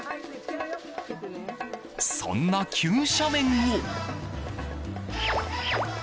そんな急斜面を。